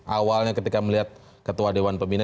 awalnya ketika melihat ketua dewan pembina